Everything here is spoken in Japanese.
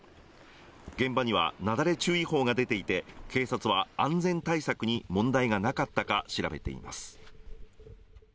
現場には雪崩注意報が出ていて警察は安全対策に問題がなかったか調べています。